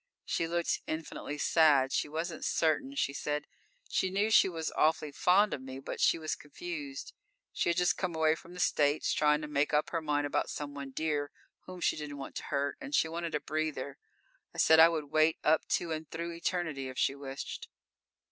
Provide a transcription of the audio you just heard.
She looked infinitely sad. She wasn't certain, she said. She knew she was awfully fond of me, but she was confused. She had just come away from the States, trying to make up her mind about someone dear, whom she didn't want to hurt, and she wanted a breather. I said I would wait up to and through eternity, if she wished.